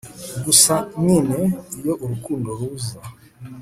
gusa nyine iyo urukundo ruza